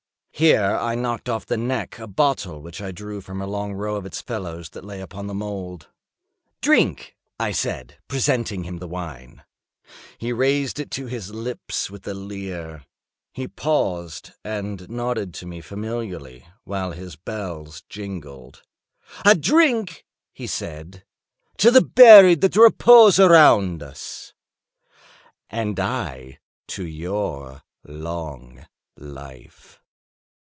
Here I knocked off the neck of a bottle which I drew from a long row of its fellows that lay upon the mould. "Drink," I said, presenting him the wine. He raised it to his lips with a leer. He paused and nodded to me familiarly, while his bells jingled. "I drink," he said, "to the buried that repose around us." "And I to your long life."